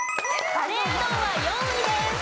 カレーうどんは４位です。